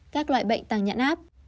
các loại bệnh tăng nhãn áp